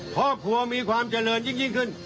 ครอบครัวมีความเจริญยิ่งขึ้น